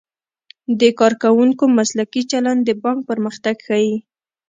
د کارکوونکو مسلکي چلند د بانک پرمختګ ښيي.